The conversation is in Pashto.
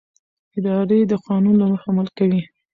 اداره د قانون له مخې عمل کوي.